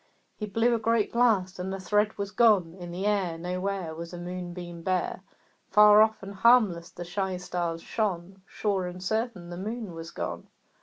He blew a great blast, and the thread was gone; In the air Nowhere Was a moonbeam bare; Far off and harmless the shy stars shone; Sure and certain the Moon was gone.